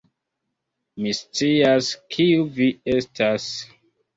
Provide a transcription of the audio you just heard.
Mi scias, kiu vi estas.